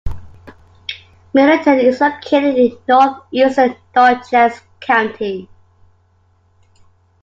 Millerton is located in northeastern Dutchess County.